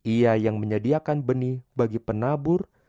ia yang menyediakan benih bagi penabur